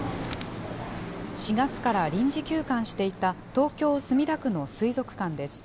４月から臨時休館していた東京・墨田区の水族館です。